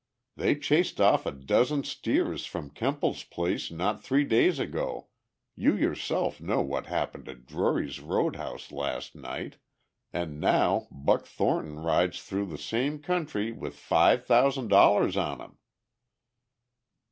They chased off a dozen steers from Kemble's place not three days ago, you yourself know what happened at Drury's road house last night, and now Buck Thornton rides through the same country with five thousand dollars on him!"